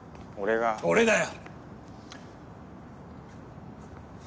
俺だよ！